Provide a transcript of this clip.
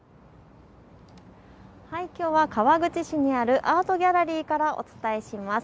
きょうは川口市にあるアートギャラリーからお伝えします。